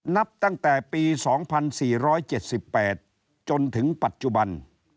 นับตั้งแต่ปี๒๔๗๘จนถึงปัจจุบัน